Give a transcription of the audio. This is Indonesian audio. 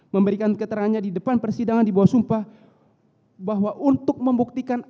memberikan keterangannya di depan persidangan di bawah sumpah bahwa untuk membuktikan